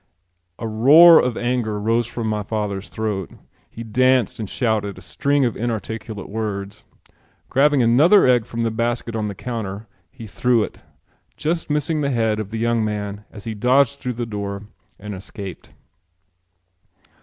A roar of anger rose from my father's throat. He danced and shouted a string of inarticulate words. Grabbing another egg from the basket on the counter, he threw it, just missing the head of the young man as he dodged through the door and escaped.